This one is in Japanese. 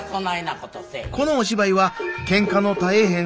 このお芝居はケンカの絶えへん